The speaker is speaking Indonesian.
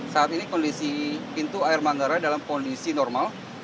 saat ini kondisi pintu air manggarai dalam kondisi normal